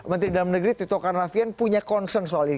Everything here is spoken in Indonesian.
menteri dalam negeri tito karnavian punya concern soal ini